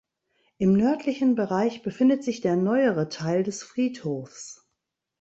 Im nördlichen Bereich befindet sich der neuere Teil des Friedhofs.